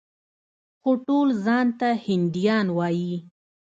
خو ټول ځان ته هندیان وايي.